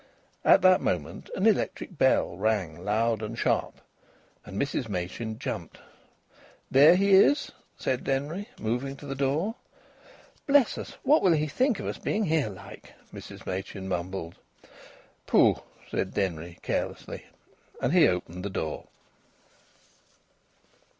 At that moment an electric bell rang loud and sharp, and Mrs Machin jumped. "There he is!" said Denry, moving to the door. "Bless us! What will he think of us being here like?" Mrs Machin mumbled. "Pooh!" said Denry, carelessly. And he opened the door.